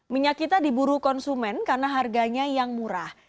minyak kita diburu konsumen karena harganya yang murah